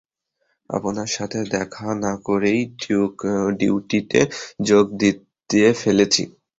আপনার সাথে দেখা না করেই ডিউটিতে যোগ দিয়ে ফেলেছি।